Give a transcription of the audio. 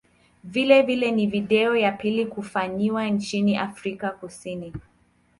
Vilevile ni video ya pili kufanyiwa nchini Afrika Kusini.